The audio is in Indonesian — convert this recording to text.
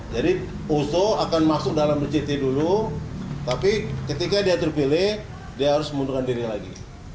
jadi oso akan masuk dalam rct dulu tapi ketika dia terpilih dia harus mengundurkan diri lagi